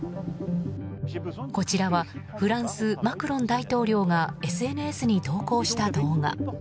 こちらはフランスマクロン大統領がＳＮＳに投稿した動画。